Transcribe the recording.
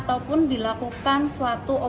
tokoh musa salam lillahi wa ta'ala